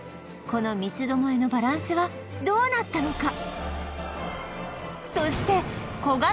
この三つ巴のバランスはどうなったのか？